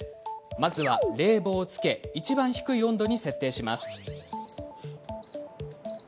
まずは冷房をつけいちばん低い温度に設定します。